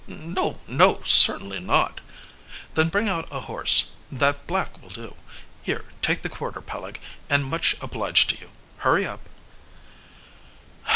"No, no, certainly not!" "Then bring out a horse. That black will do. Here, take the quarter, Peleg, and much obliged to you. Hurry up."